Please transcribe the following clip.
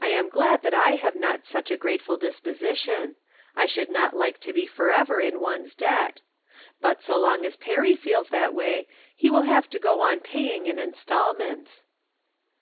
I am glad that I have not such a grateful disposition ; I should not like to be forever in one's debt. But so long as Perry, feels that way he wiU have to go on paying in installments.